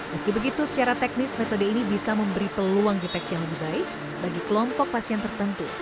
meski begitu secara teknis metode ini bisa memberi peluang deteksi yang lebih baik bagi kelompok pasien tertentu